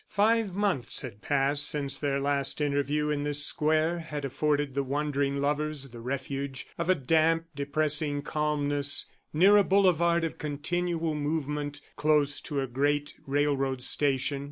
Five months had passed since their last interview in this square had afforded the wandering lovers the refuge of a damp, depressing calmness near a boulevard of continual movement close to a great railroad station.